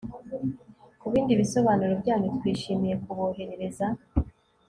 Kubindi bisobanuro byanyu twishimiye kuboherereza